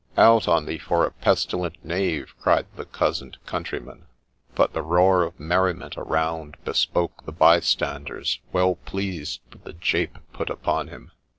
' Out on thee for a pestilent knave !' cried the cozened country man ; but the roar of merriment around bespoke the by standers well pleased with the jape put upon him.